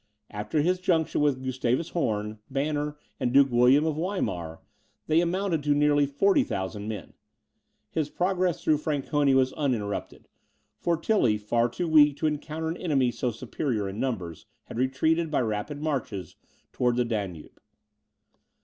After his junction with Gustavus Horn, Banner, and Duke William of Weimar, they amounted to nearly 40,000 men. His progress through Franconia was uninterrupted; for Tilly, far too weak to encounter an enemy so superior in numbers, had retreated, by rapid marches, towards the Danube.